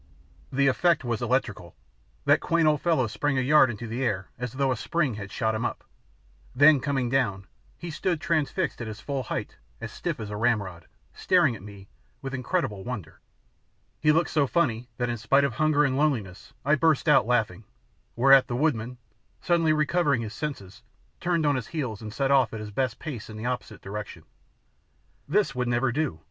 The effect was electrical. That quaint old fellow sprang a yard into air as though a spring had shot him up. Then, coming down, he stood transfixed at his full height as stiff as a ramrod, staring at me with incredible wonder. He looked so funny that in spite of hunger and loneliness I burst out laughing, whereat the woodman, suddenly recovering his senses, turned on his heels and set off at his best pace in the opposite direction. This would never do!